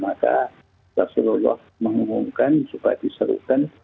maka rasulullah mengumumkan supaya disuruhkan